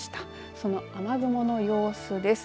その雨雲の様子です。